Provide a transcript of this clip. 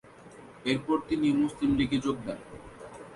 এরপর তিনি মুসলিম লীগে যোগ দেন।